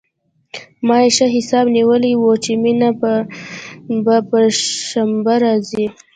ما يې ښه حساب نيولى و چې مينه به پر شنبه راځي.